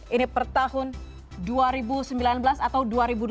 ini per tahun dua ribu sembilan belas atau dua ribu dua puluh